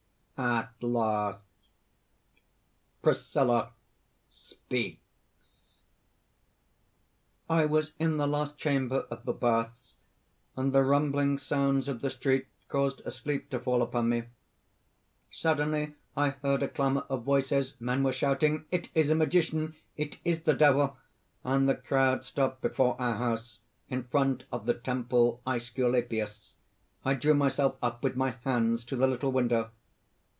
At last_ ) PRISCILLA (speaks:) "I was in the last chamber of the baths; and the rumbling sounds of the street caused a sleep to fall upon me. "Suddenly I heard a clamour of voices. Men were shouting 'It is a magician! it is the Devil!' And the crowd stopped before our house, in front of the Temple Æsculapius. I drew myself up with my hands to the little window.